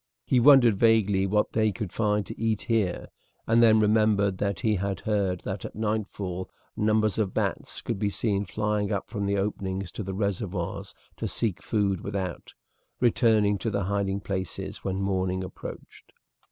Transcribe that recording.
He wondered vaguely what they could find to eat here, and then remembered that he had heard that at nightfall numbers of bats could be seen flying up from the openings to the reservoirs to seek food without, returning to their hiding places when morning approached.